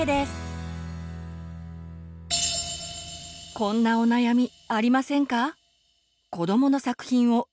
こんなお悩みありませんか？